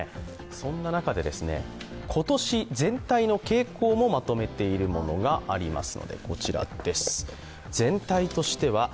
そんな中で今年、全体の傾向もまとめているものがあります。